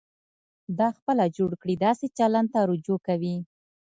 دا خپله جوړ کړي داسې چلند ته رجوع کوي.